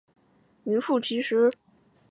但噶厦未恢复其呼图克图封号。